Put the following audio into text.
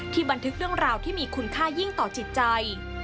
บันทึกเรื่องราวที่มีคุณค่ายิ่งต่อจิตใจ